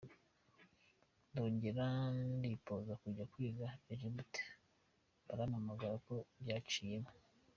ndongera ndeposa kujya kwiga egypte, barampamagara ko byaciyemo.